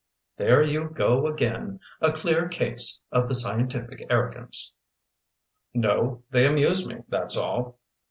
"There you go again! A clear case of the scientific arrogance." "No, they amuse me; that's all.